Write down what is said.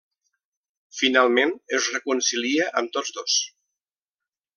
Finalment, es reconcilia amb tots dos.